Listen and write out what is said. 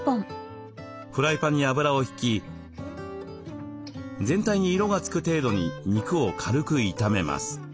フライパンに油を引き全体に色が付く程度に肉を軽く炒めます。